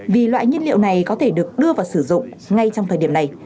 vì loại nhiên liệu này có thể được đưa vào sử dụng ngay trong thời điểm này